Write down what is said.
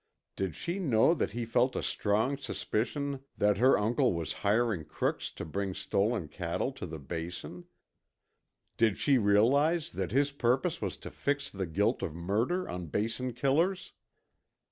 Did she know that he felt a strong suspicion that her uncle was hiring crooks to bring stolen cattle to the Basin? Did she realize that his purpose was to fix the guilt of murder on Basin killers?